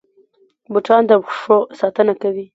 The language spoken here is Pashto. بوټان د پښو ساتنه کوي